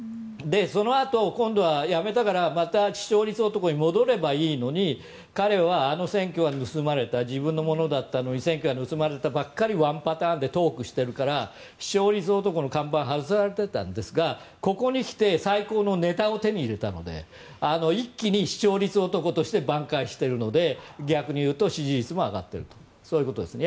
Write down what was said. そのあと今度は辞めたからまた視聴率男に戻ればいいのに彼はあの選挙は盗まれた自分のものだったのに選挙が盗まれたばかりワンパターンでトークしているから視聴率男の看板を外されていたんですがここに来て最高のネタを手に入れたので一気に視聴率男としてばん回しているので、逆に言うと支持率も上がっているとそういうことですね。